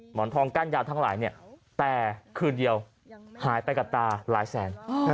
หมอนทองกั้นยาวทั้งหลายเนี่ยแต่คืนเดียวหายไปกับตาหลายแสน